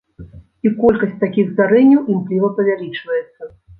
І колькасць такіх здарэнняў імкліва павялічваецца.